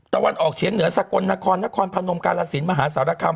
วันออกเฉียงเหนือสกลนครนครพนมกาลสินมหาสารคาม